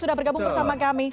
untuk bergabung bersama kami